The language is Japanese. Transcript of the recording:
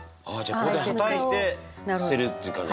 ここではたいて捨てるっていう感じですか？